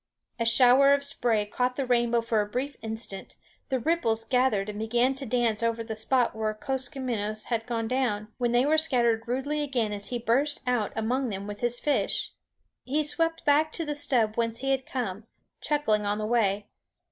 A shower of spray caught the rainbow for a brief instant; the ripples gathered and began to dance over the spot where Koskomenos had gone down, when they were scattered rudely again as he burst out among them with his fish. He swept back to the stub whence he had come, chuckling on the way.